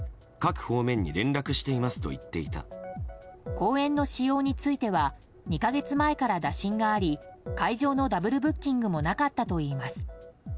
公園の使用については２か月前から打診があり会場のダブルブッキングもなかったといいます。